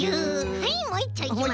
はいもういっちょいきます。